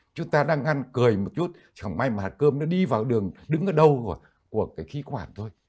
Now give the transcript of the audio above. chúng ta đang ngăn cười một chút chẳng may mà hạt cơm nó đi vào đường đứng ở đâu của cái khí quản thôi